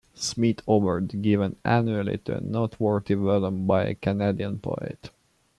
Smith Award, given annually to a noteworthy volume by a Canadian poet.